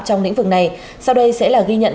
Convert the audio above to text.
trong lĩnh vực này sau đây sẽ là ghi nhận